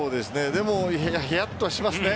でも、ひやっとしますね。